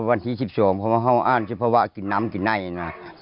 วันที่๑๒เพราะว่าเขาอ้านเพราะว่ากลิ่นน้ำกลิ่นไน่นะ